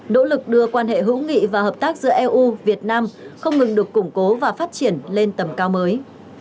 nỗ lực đưa quan hệ hữu nghị và hợp tác giữa eu việt nam không ngừng được củng cố và phát triển lên tầm cao mới